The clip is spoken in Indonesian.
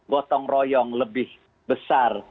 gotong royong lebih besar